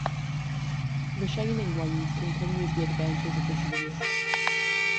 "The Shining Ones" continues the adventures of the series.